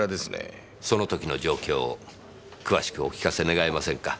その時の状況を詳しくお聞かせ願えませんか？